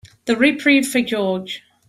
The reprieve for George.